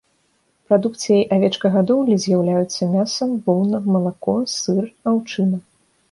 Прадукцыяй авечкагадоўлі з'яўляюцца мяса, воўна, малако, сыр, аўчына.